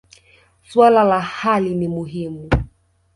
Swala la hali ni muhimu.